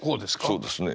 そうですね。